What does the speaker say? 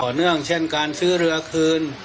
เนื่องเช่นการซื้อเรือคืน